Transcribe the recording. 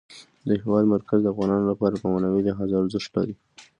د هېواد مرکز د افغانانو لپاره په معنوي لحاظ ارزښت لري.